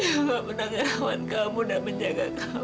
ibu nggak pernah ngerawat kamu dan menjaga kamu